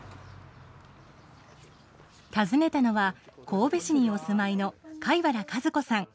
訪ねたのは神戸市にお住まいの飼原和子さん。